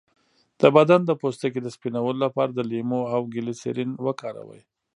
د بدن د پوستکي د سپینولو لپاره د لیمو او ګلسرین وکاروئ